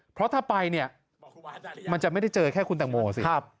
เพราะถ้าไปเนี่ยมันจะไม่ได้เจอแค่คุณตังโมสิ